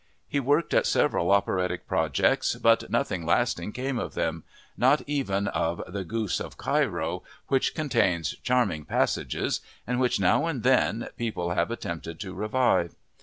He worked at several operatic projects but nothing lasting came of them—not even of The Goose of Cairo, which contains charming passages and which, now and then, people have attempted to revive.